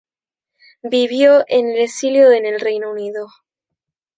Vivió en el exilio en el Reino Unido.